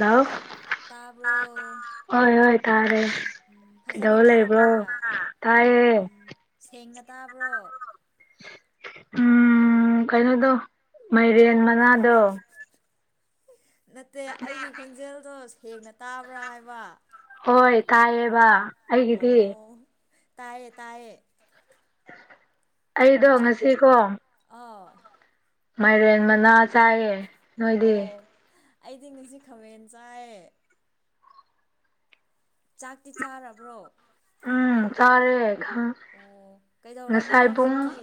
hello ꯇꯥꯔꯕꯣ ꯍꯥꯏꯣꯏꯇꯥꯔꯦ ꯀꯩꯗꯧ ꯂꯩꯕ꯭ꯔꯣ ꯎꯝ ꯇꯥꯏꯌꯦ ꯎꯝ ꯁꯦꯡꯅ ꯇꯥꯕ꯭ꯔꯣ ꯎꯝ ꯀꯩꯅꯣꯗꯣ ꯃꯥꯏꯔꯦꯟ ꯃꯅꯥꯗꯣ ꯅꯠꯇꯦ ꯑꯩꯒꯤ ꯈꯣꯟꯖꯦꯜꯗꯣ ꯁꯦꯡꯅ ꯇꯥꯕ꯭ꯔꯥ ꯍꯥꯏꯕ ꯍꯣꯏ ꯇꯥꯏꯌꯦꯕ ꯑꯩꯒꯤꯗꯤ ꯇꯥꯌꯦ ꯇꯌꯦ ꯑꯩꯗꯣ ꯉꯁꯤꯀꯣ ꯑꯥ ꯃꯥꯏꯔꯦꯟ ꯃꯅꯥ ꯆꯥꯏꯌꯦ ꯅꯣꯏꯗꯤ ꯑꯣ ꯑꯩꯗꯤ ꯉꯁꯤ ꯈꯥꯃꯦꯟ ꯆꯥꯏ ꯆꯥꯛꯇꯤ ꯆꯥꯔꯕ꯭ꯔꯣ ꯎꯝ ꯆꯥꯔꯦ ꯈ ꯑꯣ ꯀꯩꯗꯧꯔꯝꯃꯤꯅꯣ ꯉꯁꯥꯏꯕꯨꯡ ꯍꯧꯖꯤꯛꯇꯤ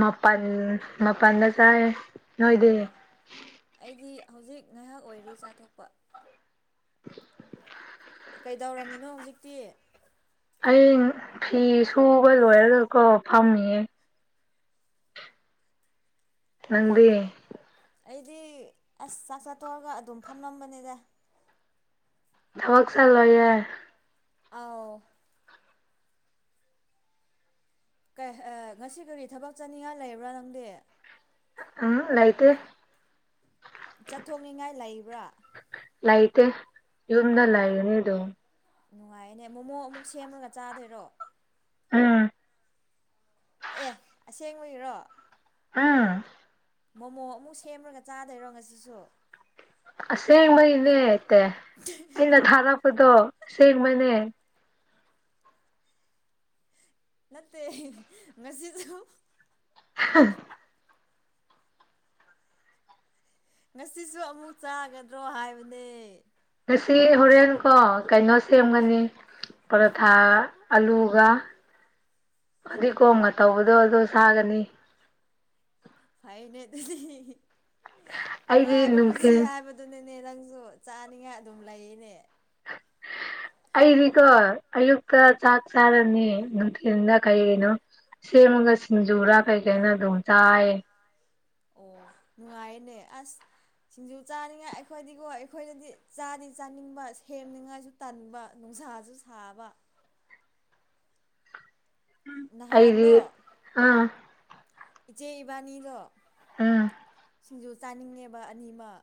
ꯃꯄꯜ ꯃꯄꯥꯟꯗ ꯆꯥꯏ ꯅꯣꯏꯗꯤ ꯑꯣ ꯑꯩꯗꯤ ꯍꯧꯖꯤꯛ ꯉꯥꯏꯍꯥꯛ ꯑꯣꯏꯔꯤ ꯆꯥꯊꯣꯛꯄ [inaudible] ꯀꯩꯗꯧꯔꯝꯃꯤꯅꯣ ꯍꯧꯖꯤꯛꯇꯤ ꯑꯩ ꯐꯤ ꯁꯨꯕ ꯂꯣꯏꯔꯒꯀꯣ ꯐꯝꯃꯤꯌꯦ ꯅꯪꯗ ꯑꯩꯗꯤ ꯑꯁ ꯆꯥꯛ ꯆꯥꯊꯣꯛꯣꯔꯒ ꯑꯗꯨꯝ ꯐꯝꯂꯝꯕꯅꯤꯗ ꯊꯕꯛꯁꯜ ꯂ ꯌꯦ ꯑꯥꯎ ꯉꯁꯤ ꯀꯔꯤ ꯊꯕꯛ ꯆꯥꯅꯤꯡꯉꯥꯏ ꯂꯩꯕ꯭ꯔꯥ ꯅꯪꯗꯤ ꯑꯝꯥꯏꯇ ꯆꯠꯊꯣꯛꯅꯤꯡꯉꯥꯏ ꯂꯩꯕ꯭ꯔꯥ ꯂꯥꯏꯇ ꯌꯨꯝꯗ ꯂꯩ ꯑꯣ ꯑꯩꯒꯅꯤ ꯑꯗꯨ ꯅꯨꯡꯉꯥꯏꯅꯦ ꯃꯣꯃꯣ ꯑꯃꯨꯛ ꯁꯦꯝꯃꯒ ꯆꯥꯗꯣꯏꯔꯣ ꯎꯝ ꯑꯦ ꯑꯁꯦꯡ ꯑꯣꯏꯔꯣ ꯑꯥ ꯃꯣꯃꯣ ꯑꯃꯨꯛ ꯁꯦꯝꯂꯒ ꯆꯥꯗꯣꯏꯔꯣ ꯉꯁꯤꯁꯨ ꯑꯁꯦꯡꯕꯅꯤꯅꯦꯇꯦ ꯑꯩꯅ ꯊꯥꯔꯛꯄꯗꯣ ꯑꯁꯦꯡꯕꯅꯦ ꯅꯠꯇꯦ ꯃꯁꯗ [inaudible] ꯉꯁꯤꯁꯨ ꯑꯃꯨꯛ ꯆꯥꯒꯗ꯭ꯔꯣ ꯍꯥꯏꯕꯅꯦ ꯉꯁꯤ ꯍꯣꯔꯦꯟ ꯀꯣ ꯀꯩꯅꯣ ꯁꯦꯝꯒꯅꯤ ꯄ꯭ꯔꯊꯥ ꯑꯂꯨꯒ ꯐꯗꯤ ꯒꯣꯝꯒ ꯇꯧꯕꯗꯣ ꯑꯗ ꯁꯥꯒꯅꯤ ꯑꯩꯅꯦ ꯑꯗꯨꯗꯤ ꯑꯩꯗꯤ ꯅꯨꯡꯉꯥꯏꯕ ꯄꯨꯟꯁꯤ ꯅꯨꯡꯊꯤꯜ ꯍꯥꯏꯕꯗꯨꯅꯦ ꯅꯦ ꯅꯪꯁꯨ ꯆꯥꯅꯤꯡꯉꯥꯏ ꯑꯗꯨꯝ ꯂꯩꯅꯦ [inaudible] ꯑꯩꯗꯤꯀꯣ ꯑꯌꯨꯛꯇ ꯆꯥꯛ ꯆꯥꯔꯅꯤ ꯅꯨꯡꯊꯤꯜꯗ ꯀꯩꯅꯣ ꯁꯦ ꯃꯒ ꯖꯨꯔꯥ ꯀꯩ ꯀꯥꯏ ꯅ ꯑꯗꯨꯝꯆꯥ ꯍꯥꯏ ꯅꯨꯡꯉꯥꯏꯅꯦ ꯑꯁ ꯁꯤꯡꯖꯨ ꯆꯥꯅꯤꯡꯉꯥꯏ ꯑꯩꯈꯣꯏꯗꯤꯀꯣ ꯑꯩꯈꯣꯏꯗꯗꯤ ꯆꯥꯗꯤ ꯆꯥꯅꯤꯡꯕ ꯁꯦꯝꯅꯤꯡꯉꯥꯏꯁꯨ ꯇꯟꯕ ꯅꯨꯡꯁꯁꯨ ꯁꯥꯕ ꯑꯩꯗꯤ ꯅꯍꯥꯟꯗꯣ ꯑꯥ ꯏꯆꯦ ꯏꯕꯥꯅꯤ ꯂꯣ ꯑꯝ ꯁꯤꯡꯖꯨ ꯆꯥꯅꯤꯡꯉꯦꯕ ꯑꯅꯤꯃꯛ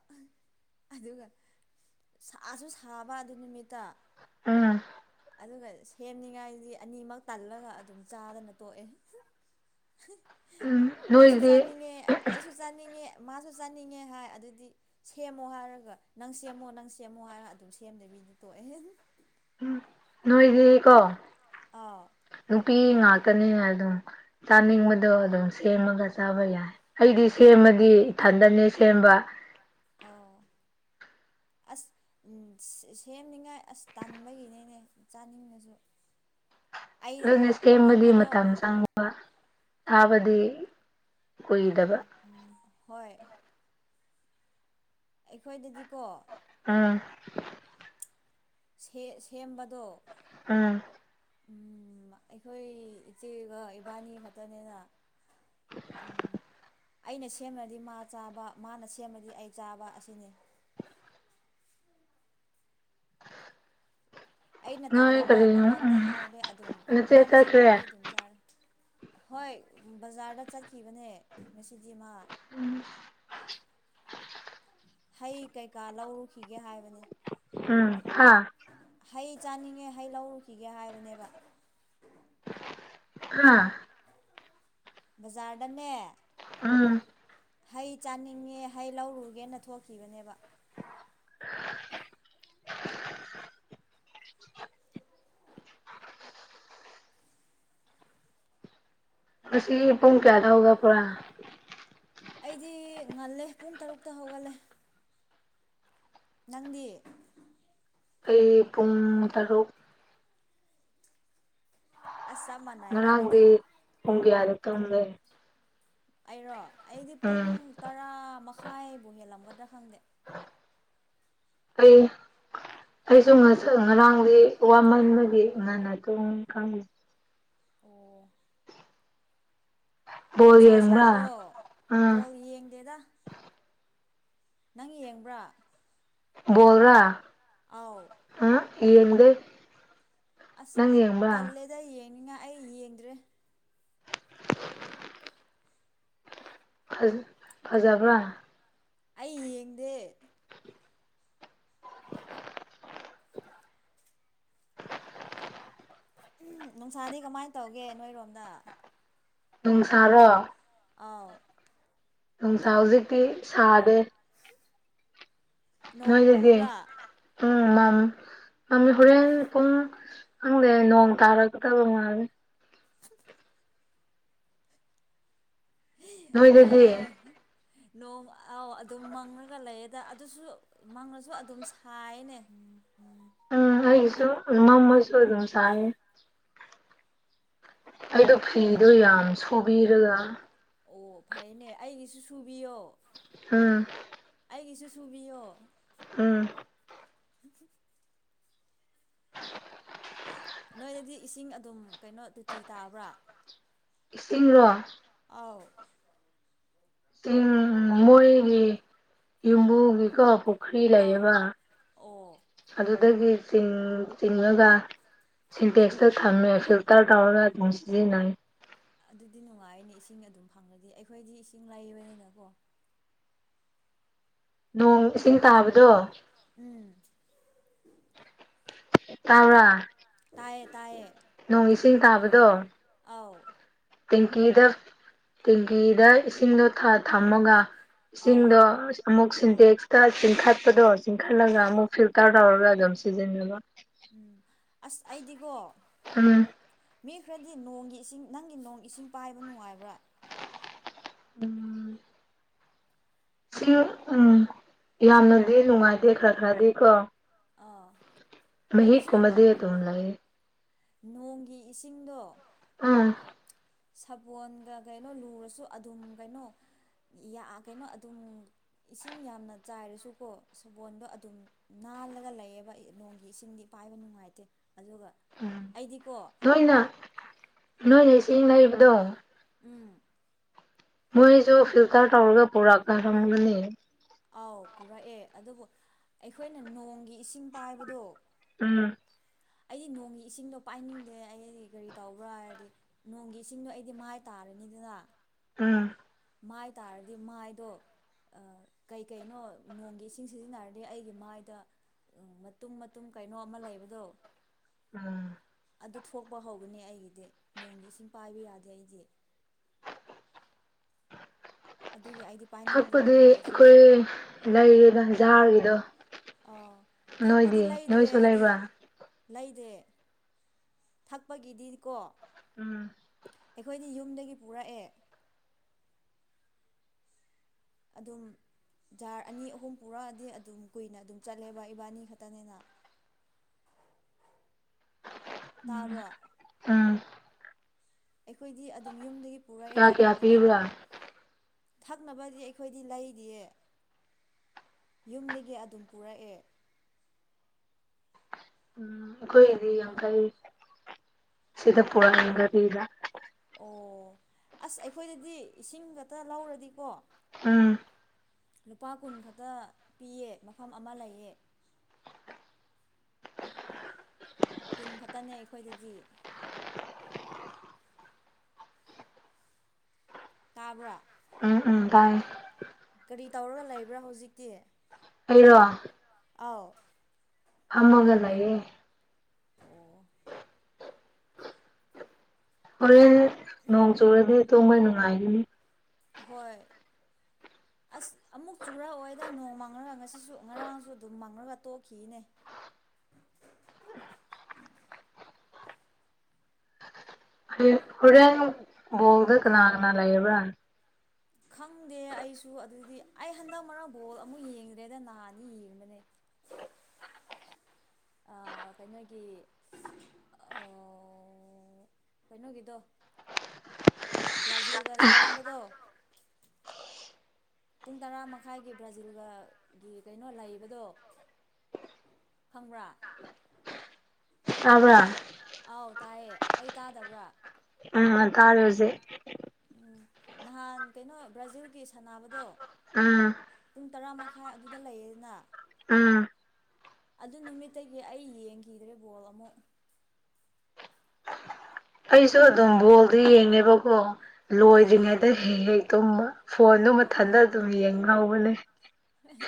ꯑꯗꯨꯒ ꯁꯨ ꯁꯥꯕ ꯑꯗꯨ ꯅꯨꯃꯤꯠꯇ ꯎꯝ ꯑꯗꯨꯒ ꯁꯦꯝꯅꯤꯉꯥꯏꯗꯤ ꯑꯅꯤꯃꯛ ꯇꯜꯂꯒ ꯑꯗꯨꯝ ꯆꯥꯗꯅ ꯇꯣꯛꯑꯦ ꯎꯝ ꯑꯩꯁꯨ ꯅꯣꯏꯗꯤ ꯆꯥꯅꯤꯡꯉꯦ ꯑꯩꯁꯨ ꯆꯥꯅꯤꯡꯉꯦ ꯃꯥꯁꯨ ꯆꯥꯅꯤꯡꯉꯦ ꯍꯥꯏ ꯑꯗꯨꯗꯤ ꯁꯦꯝꯃꯣ ꯍꯥꯏꯔꯒ ꯅꯪ ꯁꯦꯝꯃꯣ ꯅꯪ ꯁꯦꯝꯃꯣ ꯍꯥꯏꯔꯒ ꯑꯗꯨꯝ ꯁꯦꯝꯗꯣꯏꯅꯤ ꯣ ꯑꯦꯍ ꯎ ꯅꯣꯏꯗꯤꯀꯣ ꯑꯥꯎ ꯅꯨꯄꯤ ꯉꯥꯛꯇꯅꯤꯅ ꯑꯗꯨꯝ ꯆꯥꯅꯤꯡꯕꯗꯣ ꯑꯗꯨꯝ ꯁꯦꯝꯃꯒ ꯆꯥꯕ ꯌꯥꯏ ꯑꯩꯗꯤ ꯁꯦꯝꯃꯒꯤ ꯏꯊꯟꯗꯅꯦ ꯁꯦꯝꯕ ꯑꯥꯎ ꯑꯁ ꯁꯦꯝꯅꯤꯡꯉꯥꯏ ꯑꯁ ꯇꯥꯟꯕꯒꯤꯅꯦꯅꯦ ꯆꯥꯅꯤꯡꯉꯁꯨ [inaudible] ꯑꯩꯅꯀꯣ ꯖꯤꯅꯦꯁ ꯅꯣꯡ ꯁꯦꯝꯕꯗꯤ ꯐꯥꯗꯣꯛ ꯃꯇꯝ ꯆꯪꯕ ꯊꯥꯕꯗꯤ ꯀꯨꯏꯗꯕ ꯍꯣꯏ ꯑꯩꯈꯣꯏꯗꯗꯤꯀꯣ ꯎꯝ ꯁꯦꯝꯕꯗꯣ ꯎꯝ ꯎ ꯑꯩꯈꯣꯏ ꯏꯆꯦꯒ ꯏꯕꯥꯅꯤ ꯈꯛꯇꯅꯤꯅ ꯎ ꯑꯩꯅ ꯁꯦꯝꯃꯗꯤ ꯃꯥ ꯆꯥꯕ ꯃꯥꯅ ꯁꯦꯝꯃꯗꯤ ꯑꯩ ꯆꯥꯕ ꯑꯁꯤꯅꯤ [inaudible] ꯑꯩꯅ ꯅꯣꯏ ꯇꯜꯂꯕ ꯀꯔꯤꯅꯣ ꯃꯉꯣꯟꯗ ꯎꯝ ꯍꯥꯏꯔꯗꯤ ꯑꯗꯨꯝ ꯅꯆꯦ ꯃꯥꯅ ꯁꯦꯝꯕꯤꯔꯗꯤ ꯆꯠꯈ꯭ꯔꯦ ꯑꯗꯨꯝ ꯆꯥꯔꯦ ꯍꯣꯏ ꯕꯖꯥꯔꯗ ꯆꯠꯈꯤꯕꯅꯦ ꯉꯁꯤꯗꯤ ꯃꯥ ꯎꯝ ꯍꯩ ꯀꯩꯀꯥ ꯂꯧꯔꯨꯈꯤꯒꯦ ꯍꯥꯏꯕꯅꯤ ꯎꯝ ꯍꯥꯥ ꯍꯩ ꯆꯥꯅꯤꯡꯉꯦ ꯍꯩ ꯂꯧꯔꯨꯈꯤꯒꯦ ꯍꯥꯏꯕꯅꯦꯕ ꯑꯥ ꯕꯖꯥꯔꯗꯅꯦ ꯑꯝ ꯍꯩ ꯆꯥꯅꯤꯡꯉꯦ ꯍꯩ ꯂꯧꯔꯨꯒꯦꯅ ꯊꯣꯛꯈꯤꯕꯅꯦꯕ ꯑꯁꯤ ꯄꯨꯡ ꯀꯌꯥꯗ ꯍꯧꯒ ꯄꯨꯔꯥ ꯑꯩꯗꯤ ꯉꯜꯂꯦ ꯄꯨꯡ ꯇꯔꯨꯛꯇ ꯍꯧꯒꯠꯂꯦ ꯅꯪꯗꯤ ꯑꯩ ꯄꯨꯡ ꯇꯔꯨꯛ ꯑꯁ ꯆꯞ ꯃꯥꯟꯅꯩꯅꯦ ꯉꯅꯥꯥꯡꯗꯤ ꯑꯗꯨꯗꯤ ꯎꯨꯡꯒꯌꯥ ꯑꯗꯨ ꯇꯒ ꯑꯩꯔꯣ ꯑꯩꯗꯤ ꯄꯨꯡ ꯇꯔꯥ ꯃꯈꯥꯏꯕꯨ ꯍꯦꯜꯂꯝꯒꯗ꯭ꯔꯥ ꯈꯪꯗꯦ ꯑꯩ ꯑꯩꯁꯨ ꯉꯔꯥꯡꯒꯤ ꯋꯥꯃꯟꯕꯒꯤ ꯉꯟꯅ ꯑꯗꯨꯨꯝ ꯈꯪꯉ ꯑꯣ ꯕꯣꯜ ꯅꯨꯡꯁꯥ ꯁꯥꯕ꯭ꯔꯣ ꯌꯦꯡꯕ꯭ꯔꯥ ꯑꯥ ꯕꯣꯜ ꯌꯦꯡꯗꯦꯗ ꯅꯪ ꯌꯦꯡꯕ꯭ꯔꯥ ꯣꯜ꯭ꯔꯥ ꯑꯥꯎ ꯌꯦꯡꯗ ꯑꯁ ꯊꯜꯂꯦꯗ ꯌꯦꯡꯅꯤꯡꯉ ꯑꯩ ꯌꯦꯡꯗ꯭ꯔꯦ ꯑꯖꯕ ꯑꯩ ꯌꯦꯡꯗꯦ ꯎꯝ ꯅꯨꯡꯁꯥꯗꯤ ꯀꯃꯥꯏꯅ ꯇꯧꯒꯦ ꯅꯣꯏꯔꯣꯝꯗ ꯅꯨꯡꯁꯥꯔꯣ ꯑꯥꯎ ꯅꯨꯡꯁꯥ ꯍꯧꯖꯤꯛꯇꯤ ꯁꯥꯗꯦ ꯅꯣꯡ ꯅꯣꯏꯗꯗꯤ ꯃꯪꯕ꯭ꯔꯥ ꯎꯝ ꯃꯥ ꯃꯤ ꯍꯣꯔꯦꯟ ꯄꯨꯡ ꯈꯪꯗꯦ ꯅꯣꯡ ꯇꯥꯔꯒꯗꯕ ꯉꯥꯦ [inaudible] ꯅꯣꯏꯗꯗꯤ ꯑꯦ ꯅꯣꯡ ꯑꯥꯎ ꯑꯗꯨꯝ ꯃꯪꯉꯒ ꯂꯩꯌꯦꯗ ꯑꯗꯨꯁꯨ ꯃꯪꯉꯁꯨ ꯑꯗꯨꯝ ꯁꯥꯏꯅꯦ ꯎꯝ ꯑꯩꯁꯨ ꯃꯃꯁꯨ ꯑꯗꯨꯝ ꯁꯥꯏ ꯑꯩꯗꯣ ꯐꯤꯗꯣ ꯌꯥꯝ ꯁꯨꯕꯤꯔꯒ ꯑꯣ ꯐꯩꯅꯦ ꯑꯩꯒꯤꯁꯨ ꯁꯨꯕꯤꯌꯣ ꯑꯥ ꯑꯩꯒꯤꯁꯨ ꯁꯨꯕꯤꯌꯣ ꯎꯝ ꯅꯣꯏꯗꯗꯤ ꯏꯁꯤꯡ ꯑꯗꯨꯝ ꯀꯩꯅꯣ ꯇꯣꯇꯤ ꯇꯥꯕ꯭ꯔꯥ ꯏꯁꯤꯡꯔꯣ ꯑꯥꯎ ꯃꯔꯤꯒꯤ ꯏꯕꯨꯒꯤ ꯀꯄ ꯄꯨꯈ꯭ꯔꯤ ꯑꯥꯎ ꯂꯩꯌꯦꯕ ꯑꯣ ꯑꯗꯨꯗꯒꯤ ꯆꯤꯡꯉꯒ ꯁꯤꯟꯇꯦꯛꯁꯇ ꯊꯝꯃꯦ ꯐꯤꯜꯇꯔ ꯇꯧꯔꯒ ꯑꯗꯨꯝ ꯁꯤꯖꯤꯟꯅꯩꯦ ꯑꯗꯨꯗꯤ ꯅꯨꯡꯉꯥꯏꯅꯦ ꯏꯁꯤꯡ ꯑꯗꯨꯝ ꯐꯪꯂꯪꯂꯗꯤ ꯑꯩꯈꯣꯏꯗꯤ ꯏꯁꯤꯡ ꯂꯩꯕꯅꯤꯅꯀꯣ ꯅꯣꯡ ꯏꯁꯤꯡ ꯇꯥꯕꯗꯣ ꯎꯝ ꯇꯥꯥꯎ꯭ꯔ ꯇꯌꯦ ꯇꯥꯏꯌꯦ ꯅꯣꯡ ꯏꯁꯤꯡ ꯊꯥꯕꯗꯣ ꯑꯥꯎ ꯇꯦꯡꯀꯤꯗ ꯇꯦꯡꯀꯤꯗ ꯏꯁꯤꯡꯗꯣ ꯊꯝꯃꯒ ꯑꯥꯎ ꯏꯁꯤꯡꯗꯣ ꯑꯃꯨꯛ ꯑꯥ ꯁꯤꯟꯇꯦꯛꯁꯀ ꯆꯤꯡꯈꯠꯄꯗꯣ ꯆꯤꯡꯈꯠꯂꯒ ꯑꯥꯎ ꯑꯃꯨꯛ ꯐꯤꯜꯇꯔ ꯇꯧꯔꯒ ꯑꯗꯨꯝ ꯁꯤꯖꯕ ꯎꯝ ꯑꯁ ꯑꯩꯗꯤꯀꯣ ꯎꯝ ꯃꯤ ꯈꯔꯗꯤ ꯅꯣꯡꯒꯤ ꯏꯁꯤꯡ ꯅꯪꯒꯤ ꯅꯣꯡꯒꯤ ꯏꯁꯤꯡ ꯄꯥꯏꯕ ꯅꯨꯡꯉꯥꯏꯕ꯭ꯔꯥ ꯎꯝ ꯁꯤ ꯎꯝ ꯌꯥꯝꯅꯗꯤ ꯅꯨꯡꯉꯥꯏꯇꯦ ꯈꯔ ꯈꯔꯗꯤ ꯀꯣ ꯑꯥ ꯃꯍꯤ ꯑꯩꯒꯤꯁꯨ ꯀꯨꯃꯗꯤ ꯇꯨꯝ ꯂ ꯅꯣꯡꯒꯤ ꯏꯁꯤꯡꯗꯣ ꯑꯥ ꯁꯥꯄꯣꯟꯒ ꯀꯩꯅꯣ ꯂꯨꯔꯁꯨ ꯑꯗꯨꯝ ꯀꯩꯅꯣ ꯌꯥ ꯀꯩꯅꯣ ꯑꯗꯨꯝ ꯏꯁꯤꯡ ꯌꯥꯝꯅ ꯆꯥꯏꯔꯁꯨꯀꯣ ꯁꯕꯣꯣꯟꯗꯣ ꯑꯗꯨꯝ ꯅꯥꯜꯂꯒ ꯂꯩꯌꯦꯕ ꯅꯣꯡꯒꯤ ꯏꯁꯤꯡꯗꯤ ꯄꯥꯏꯕ ꯅꯨꯡꯉꯥꯏꯇꯦ ꯑꯗꯨꯒ ꯎꯝ ꯑꯩꯗꯤꯀꯣ ꯆꯦꯡꯅꯕꯗꯣ ꯎꯝ ꯃꯣꯏꯁꯨ ꯐꯤꯜꯇꯔ ꯇꯧꯔꯒ ꯄꯨꯔꯛꯀꯥꯟꯗꯒꯅꯤ ꯑꯥꯎ ꯄꯨꯔꯛꯑꯦ ꯑꯗꯨꯕꯨ ꯑꯩꯈꯣꯏꯅ ꯅꯣꯡꯒꯤ ꯏꯁꯤꯡ ꯄꯥꯏꯕꯗꯣ ꯎꯝ ꯑꯩꯗꯤ ꯅꯣꯡꯒꯤ ꯏꯁꯤꯡꯗꯣ ꯄꯥꯏꯅꯤꯡꯗꯦ ꯑꯩ ꯀꯔꯤ ꯇꯧꯕ꯭ꯔꯥ ꯍꯥꯏꯔꯗꯤ ꯅꯣꯡꯒꯤ ꯏꯁꯤꯡꯗꯣ ꯑꯩꯗꯤ ꯃꯥꯏ ꯇꯥꯔꯅꯤ ꯏꯗꯨꯅ ꯎꯝ ꯃꯥꯏ ꯇꯥꯔꯗꯤ ꯃꯥꯏꯗꯣ ꯀꯩꯀꯩꯅꯣ ꯅꯣꯡꯒꯤ ꯏꯁꯤꯡ ꯁꯤꯖꯤꯟꯅꯔꯗꯤ ꯑꯩꯒꯤ ꯃꯥꯏꯗ ꯎꯝ ꯃꯇꯨꯝ ꯃꯇꯨꯝ ꯀꯩꯅꯣ ꯑꯃ ꯂꯩꯕꯗꯣ ꯎꯝ ꯑꯗꯨ ꯊꯣꯛꯄ ꯍꯧꯒꯅꯤ ꯑꯩꯒꯤꯗꯤ ꯅꯣꯡꯒꯤ ꯏꯁꯤꯡ ꯄꯥꯏꯕ ꯌꯥꯗꯦ ꯑꯩꯗꯤ ꯑꯗꯨꯒꯤ ꯑꯩꯗꯤ ꯄꯥꯏꯅꯤꯡꯗꯦ ꯊꯛꯄꯗꯤ ꯅꯣꯡꯒꯤ ꯏꯁꯤꯡ ꯑꯩꯈꯣꯏ ꯂꯩꯔꯤꯅ ꯖꯥꯔꯒꯤꯗꯣ ꯑꯥ ꯊꯛꯄꯗꯤ ꯅꯣꯏꯗꯌꯦ ꯅꯣꯏ ꯂꯩꯗ꯭ꯔꯦ ꯑꯩꯗꯤ ꯆꯂꯥꯏꯕ ꯂꯩꯗꯦ ꯊꯛꯄꯒꯤꯗꯤ ꯀꯣ ꯎꯝ ꯑꯩꯈꯣꯏꯗꯤ ꯌꯨꯝꯗꯒꯤ ꯄꯨꯔꯛꯑꯦ ꯑꯗꯨꯝ ꯖꯥꯔ ꯑꯅꯤ ꯑꯍꯨꯝ ꯄꯨꯔꯛꯑꯗꯤ ꯑꯗꯨꯝ ꯀꯨꯏꯅ ꯑꯗꯨꯝ ꯆꯠꯂꯦꯕ ꯏꯕꯥꯅꯤ ꯈꯛꯇꯅꯤꯅ [unintelligible] ꯇꯥꯕ꯭ꯔꯣ ꯎꯝ ꯑꯩꯈꯣꯏꯗꯤ ꯑꯗꯨꯝ ꯌꯨꯝꯗꯒꯤ ꯄꯨꯔꯛꯑꯦ ꯀꯌꯥ ꯀꯌꯥ ꯊꯛꯅꯕꯗꯤ ꯄꯤꯕ꯭ꯔꯥ ꯊꯛꯅꯕꯗꯤ ꯑꯩꯈꯣꯏꯗꯤ ꯂꯩꯔꯤꯌꯦ ꯌꯨꯝꯗꯒꯤ ꯑꯗꯨꯝ ꯄꯨꯔꯛꯑꯦ ꯎꯝ ꯑꯩꯈꯣꯏꯒꯤꯗꯤ ꯌꯥꯡꯈꯩ ꯁꯤꯗ ꯄꯨꯔꯛꯅꯤꯒꯔꯤꯗ ꯑꯣ ꯑꯁ ꯑꯩꯈꯣꯏꯗꯗꯤ ꯏꯁꯤꯡ ꯈꯛꯇ ꯂꯧꯔꯗꯤꯀꯣ ꯑꯝ ꯂꯨꯄꯥ ꯀꯨꯟ ꯈꯛꯇ ꯄꯤꯌꯦ ꯃꯐꯝ ꯑꯃ ꯂꯩꯌꯦ ꯀꯨꯟ ꯈꯛꯇꯅꯦ ꯑꯩꯈꯣꯏꯗꯒꯤ ꯇꯥꯕ꯭ꯔꯥ ꯎꯝ ꯎꯝ ꯇꯥꯏ ꯀꯔꯤ ꯇꯧꯔꯒ ꯂꯩꯕ꯭ꯔꯥ ꯍꯧꯖꯤꯛꯇꯤ ꯑꯩꯔꯣ ꯑꯥꯎ ꯑꯃꯒ ꯂꯌꯦꯦ ꯑꯣ ꯍꯣꯔꯦꯟ ꯅꯣꯡ ꯆꯨꯔꯗꯤ ꯑꯗꯨꯣ ꯃꯣꯏ ꯅꯨꯡꯉꯥꯏꯈꯤꯅꯤ ꯍꯣꯏ [inaudible] ꯑꯁ ꯑꯃꯨꯛ ꯆꯨꯔꯛꯑꯣꯏꯗ ꯅꯣꯡ ꯃꯪꯉꯒ ꯉꯁꯤꯁꯨ ꯉꯔꯥꯡꯁꯨ ꯑꯗꯨꯝ ꯃꯪꯉꯒ ꯇꯣꯛꯈꯤꯅꯦ [inaudible] ꯎꯍꯦꯟꯗ ꯀꯅꯥꯉꯅꯥ ꯂꯩ ꯑꯦꯕꯅ ꯈꯪꯗꯦ ꯑꯩꯁꯨ ꯑꯗꯨꯗꯤ ꯑꯩ ꯍꯟꯗꯛ ꯃꯔꯒ ꯕꯣꯜ ꯑꯃꯨꯛ ꯌꯦꯡꯗ꯭ꯔꯦꯗ ꯅꯥꯅꯤ ꯌꯦꯡꯕꯅꯦ ꯎ ꯀꯩꯅꯣꯒꯤ ꯀꯩꯅꯣꯒꯤꯗꯣ ꯕ꯭ꯔꯥꯖꯤꯜꯒ ꯁꯥꯟꯅꯕꯗꯣ ꯄꯨꯡ ꯇꯔꯥ ꯃꯈꯥꯏꯒꯤ ꯕ꯭ꯔꯥꯖꯤꯜꯒꯒꯤ ꯀꯩꯅꯣ ꯂꯩꯕꯗꯣ ꯈꯪꯕ꯭ꯔꯥ ꯇ꯭ꯔ ꯑꯥꯎ ꯇꯥꯏꯌꯦ ꯑꯩ ꯇꯥꯗꯕ꯭ꯔꯥ ꯎ ꯀꯥꯔꯣꯁꯦ ꯅꯍꯥꯟ ꯀꯩꯅꯣ ꯕ꯭ꯔꯥꯖꯤꯜꯒꯤ ꯁꯥꯟꯅꯕꯗꯣ ꯎꯝ ꯄꯨꯡ ꯇꯔꯥꯃ ꯇꯥꯏ ꯑꯗꯨꯗ ꯂꯩꯌꯦꯗꯅ ꯑꯝ ꯑꯗꯨ ꯅꯨꯃꯤꯠꯇꯒꯤ ꯑꯩ ꯌꯦꯡꯈꯤꯗ꯭ꯔꯦ ꯕꯣꯜ ꯑꯃꯨꯛ ꯑꯩꯁꯨ ꯑꯗꯨꯝ ꯕꯣꯜꯗꯤ ꯌꯦꯡꯉꯦꯕꯀꯣ ꯑꯥꯎ ꯂꯣꯏꯗ꯭ꯔꯤꯉꯩꯗ ꯍꯦꯛ ꯍꯦꯛ ꯇꯨꯝꯃ ꯐꯣꯟꯗꯨ ꯑꯣ ꯃꯊꯟꯇ ꯑꯗꯨꯝ ꯌꯦꯡꯍꯧꯕꯅꯦ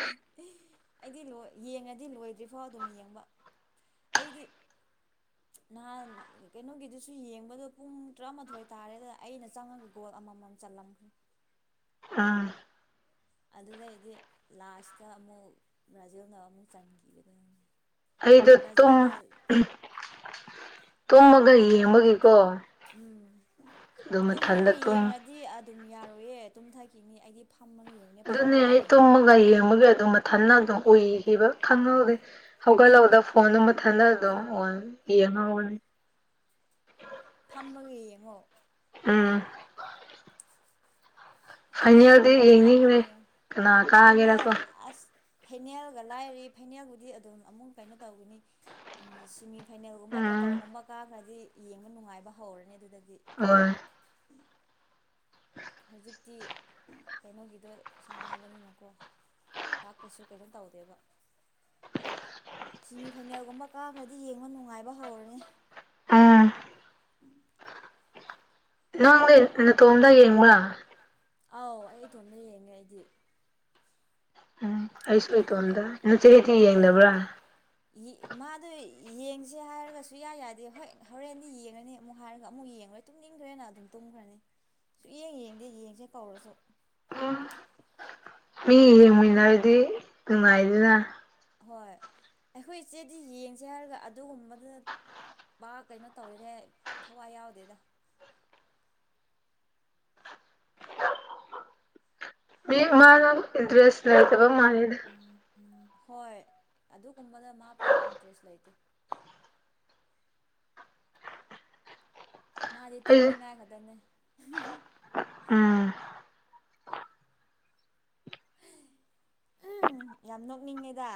[inaudible] ꯑꯩꯗꯤ ꯂꯣꯏ ꯌꯦꯡꯉꯗꯤ ꯂꯣꯏꯗ꯭ꯔꯤꯐꯥꯎ ꯑꯗꯨꯝ ꯌꯦꯡꯕ ꯑꯩꯗꯤ ꯅꯍꯥꯟ ꯀꯩꯅꯣꯒꯤꯗꯨꯁꯨ ꯌꯦꯡꯕꯗꯣ ꯄꯨꯡ ꯇꯔꯥꯃꯥꯊꯣꯏ ꯇꯥꯔꯦꯗ ꯑꯩꯅ ꯆꯪꯉꯒꯀꯣ ꯑꯃꯃꯝ ꯆꯠꯂꯝꯈ꯭ꯔꯦ [inaudible] ꯑꯥ ꯑꯗꯨꯗꯩ ꯑꯩꯗꯤ ꯂꯥꯁꯇ ꯑꯃꯨꯛ ꯔꯥꯖꯦꯟꯗ ꯑꯃꯨꯛ ꯆꯟꯈꯤꯕꯗꯨ ꯑꯩꯗꯠꯇꯣ ꯇꯨꯝꯃꯒ ꯌꯦꯡꯕꯒꯤꯀꯣ ꯎꯝ ꯑꯗꯨ ꯃꯊꯟꯗ ꯇꯨꯝꯃꯒ ꯇꯨꯝ ꯌꯦꯡꯉꯗꯤ ꯑꯗꯨꯝ ꯌꯥꯔꯣꯏꯌꯦ ꯇꯨꯝ ꯊꯛꯈꯤꯅꯤ ꯑꯩꯗꯤ ꯐꯝꯃꯒ ꯌꯦꯡꯕꯅꯦ ꯑꯗꯨꯅꯦ ꯐꯝꯂꯒ ꯑꯩ ꯌꯦꯡꯉꯣ ꯇꯨꯝꯃꯒ ꯌꯦꯡꯕꯒ ꯑꯗꯨꯝ ꯃꯊ ꯑꯗꯨ ꯎꯏꯈꯤꯕ ꯈꯪꯍꯧꯗꯦ ꯍꯧꯒꯠꯍꯧꯗ ꯐꯣꯟ ꯃꯊꯗ ꯑꯗꯨꯝ ꯑꯣ ꯌꯦꯡꯍꯅꯤ [inaudible] ꯐꯝꯃꯒ ꯌꯦꯡꯉꯣ ꯎꯝ ꯑꯩꯗꯤ ꯐꯥꯏꯅꯦꯜꯗꯤ ꯌꯦꯡꯅꯤꯡꯈ꯭ꯔꯦ ꯐꯝꯃꯒ ꯌꯦꯡꯉꯣ ꯀꯅꯥ ꯐꯥꯏꯅꯦꯜ ꯀꯥꯒꯦꯔꯀꯣ ꯑꯁ ꯐꯥꯏꯅꯦꯜꯒ ꯂꯥꯏꯔꯤ ꯐꯥꯏꯅꯦꯜꯕꯨꯗꯤ ꯑꯗꯨꯝ ꯑꯃꯨꯛ ꯀꯩꯅꯣ ꯇꯧꯒꯅꯤ ꯁꯤꯦꯃꯤ ꯐꯥꯏꯅꯦꯜꯒꯨꯝꯕ ꯒꯕ ꯀꯇꯔꯒꯨꯝꯕ ꯀꯥꯈ꯭ꯔꯗꯤ ꯌꯦꯡꯕ ꯅꯨꯡꯉꯥꯏꯕ ꯍꯧꯔꯅꯤ ꯑꯗꯨ ꯑꯣ ꯍꯧꯖꯤꯛꯇꯤ ꯀꯩꯅꯣꯒꯤꯗꯣ ꯁꯥꯟꯅꯕꯅꯤꯅꯀꯣ ꯂꯥꯛ ꯀꯩꯁꯨ ꯀꯩꯁꯨꯣ ꯇꯧꯗꯦꯕ ꯁꯤꯦꯃꯤ ꯐꯥꯏꯅꯦꯜꯒꯨꯝꯕ ꯀꯥꯈ꯭ꯔꯗꯤ ꯌꯦꯡꯕ ꯅꯨꯡꯉꯥꯏꯕ ꯍꯧꯔꯅꯤ ꯑꯥ ꯅꯪꯪꯂ ꯇꯣꯝꯗ ꯌꯦꯅꯤꯡꯪꯂꯥ ꯑꯥꯎ ꯑꯩ ꯏꯇꯣꯝꯗ ꯌꯦꯡꯉꯦ ꯑꯩꯗꯤ ꯎꯝ ꯑꯩꯁꯨ ꯏꯇꯣꯝꯗ ꯅ ꯆꯍꯤꯗꯤꯤ ꯑꯩꯈꯣꯏ ꯌꯦꯡꯗꯕ꯭ꯔꯥ ꯃꯥꯗꯣ ꯌꯦꯡꯁꯦ ꯍꯥꯏꯔꯒꯁꯨ ꯌꯥ ꯌꯥꯗꯦ ꯍꯣꯏ ꯍꯣꯔꯦꯟꯗꯤ ꯌꯦꯡꯉꯅꯤ ꯑꯃꯨꯛ ꯍꯥꯏꯔꯒ ꯑꯃꯨꯛ ꯌꯦꯡꯉꯣꯏ ꯇꯨꯝꯅꯤꯡꯈ꯭ꯔꯦꯅ ꯑꯗꯨꯝ ꯇꯧ ꯇꯨꯝꯈ꯭ꯔꯅꯤ ꯁꯨꯛꯌꯦꯡ ꯌꯦꯡꯗꯦ ꯌꯦꯡꯁꯦ ꯀꯧꯔꯁꯨ ꯑꯣ ꯃꯤ ꯌꯦꯡꯨꯟꯅꯔꯗꯤ ꯅꯨꯡꯉꯥꯏꯗꯨꯅ ꯍꯣꯏ ꯑꯩꯈꯣꯏ ꯏꯆꯦꯗꯤ ꯌꯦꯡꯁꯦ ꯍꯥꯏꯔꯒ ꯑꯗꯨꯒꯨꯝꯕꯗꯨ ꯕꯥ ꯀꯩꯅꯣ ꯇꯧꯔꯦꯅꯦ ꯊꯋꯥꯏ ꯌꯥꯎꯗꯦꯗ ꯃꯤ ꯃꯥꯅ ꯏꯟꯇꯔꯦꯁ ꯅ ꯎ ꯎꯝ ꯍꯣꯏ ꯑꯗꯨꯒꯨꯝꯕꯗ ꯃꯥ ꯄꯥꯛ ꯏꯟꯇꯔꯦꯁ ꯂꯩꯇꯦ ꯃꯥꯗꯤ ꯑꯩ ꯇꯨꯝꯅꯤꯡꯉꯥꯏ ꯈꯛꯇꯅꯦ ꯎꯝ ꯎꯝ ꯌꯥꯝ ꯅꯣꯛꯅꯤꯡꯉꯦꯗ